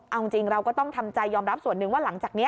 เอาจริงเราก็ต้องทำใจยอมรับส่วนหนึ่งว่าหลังจากนี้